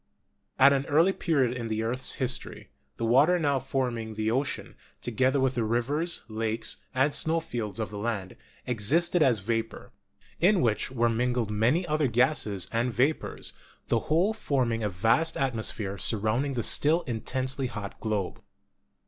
At an early period in the earth's history, the water now forming the 86 GEOLOGY ocean, together with the rivers, lakes, and snowfields of the land, existed as vapor, in which were mingled many other gases and vapors, the whole forming a vast atmos phere surrounding the still intensely hot globe.